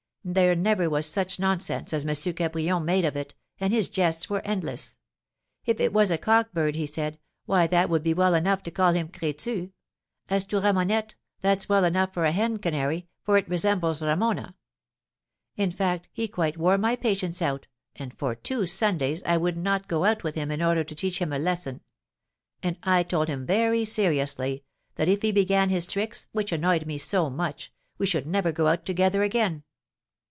There never was such nonsense as M. Cabrion made of it, and his jests were endless. If it was a cock bird, he said, 'Why, that would be well enough to call him Crétu. As to Ramonette, that's well enough for a hen canary, for it resembles Ramona.' In fact, he quite wore my patience out, and for two Sundays I would not go out with him in order to teach him a lesson; and I told him very seriously, that if he began his tricks, which annoyed me so much, we should never go out together again."